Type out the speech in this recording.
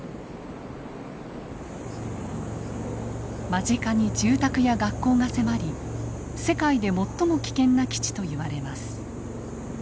間近に住宅や学校が迫り世界で最も危険な基地と言われます。